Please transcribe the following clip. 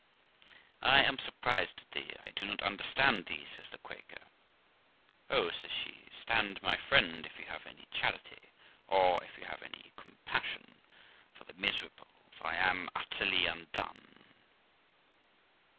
'I am surprised at thee; I do not understand thee', says the Quaker. 'Oh!', says she, 'stand my friend if you have any charity, or if you have any compassion for the miserable; for I am utterly undone!'